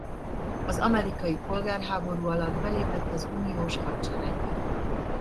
Az amerikai polgárháború alatt belépett az uniós hadseregbe.